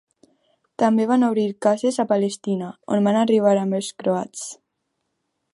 També van obrir cases a Palestina, on van arribar amb els croats.